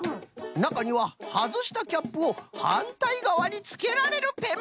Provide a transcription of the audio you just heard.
なかにははずしたキャップをはんたいがわにつけられるペンもあるぞい。